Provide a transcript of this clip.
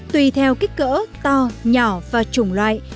tùy theo kích cỡ to nhỏ và chủng loại